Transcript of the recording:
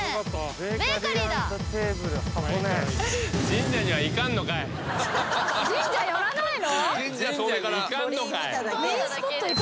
神社行かんのかい。